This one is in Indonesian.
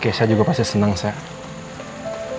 kesha juga pasti seneng sabri